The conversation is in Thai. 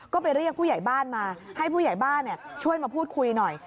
ก็ไปเรียกผู้ใหญ่บ้านมาให้ผู้ใหญ่บ้านช่วยมาพูดคุยหน่อย